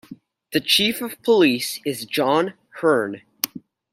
The Chief of Police is John Hearn.